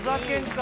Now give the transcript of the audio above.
か